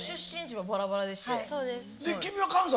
君は関西？